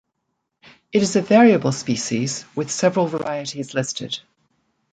It is a variable species with several varieties listed.